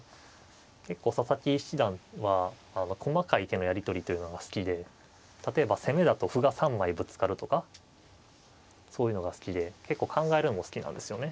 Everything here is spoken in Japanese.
結構佐々木七段は細かい手のやり取りというのが好きで例えば攻めだと歩が３枚ぶつかるとかそういうのが好きで結構考えるのも好きなんですよね。